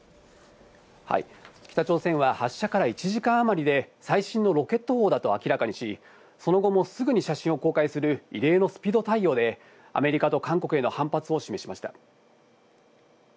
北朝鮮は発射から１時間余りで、最新のロケット砲だと明らかにし、その後もすぐに写真を公開する異例のスピード対応で、アメリカと韓国への反発を示しました。